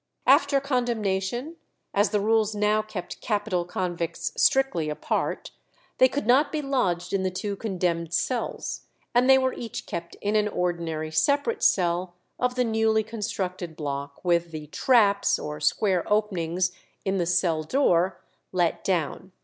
After condemnation, as the rules now kept capital convicts strictly apart, they could not be lodged in the two condemned cells, and they were each kept in an ordinary separate cell of the newly constructed block, with the "traps," or square openings in the cell door, let down.